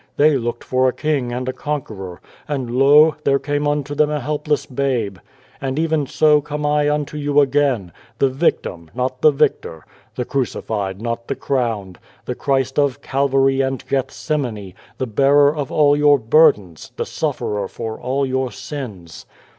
They looked for a King and a Conqueror, and lo ! there came unto them a helpless babe ! And even so, come I unto you again the victim, not the victor, the crucified, not the crowned, the Christ of Calvary and Gethsemane, the bearer 57 God and the Ant of all your burdens, the sufferer for all your sins.